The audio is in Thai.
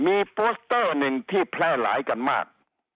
มีโฟสเตอร์หนึ่งที่แพร่หลายกันมาก